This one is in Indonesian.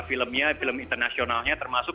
filmnya film internasionalnya termasuk